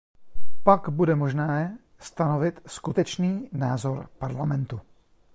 Pak bude možné stanovit skutečný názor Parlamentu.